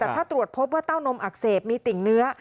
แต่ถ้าตรวจพบว่าเต้านมอักเสบมีติ่งเนื้อ